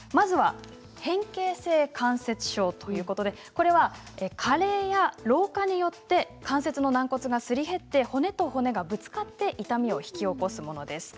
変形性関節症は加齢や老化によって関節の軟骨がすり減って骨と骨がぶつかって痛みを引き起こすものです。